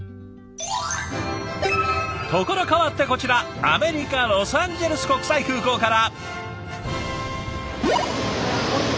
ところ変わってこちらアメリカロサンゼルス国際空港から。